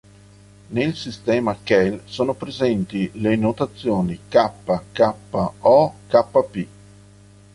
Nel sistema Kell sono presenti le notazioni K, k, o Kp..